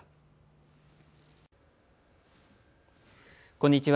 こんにちは。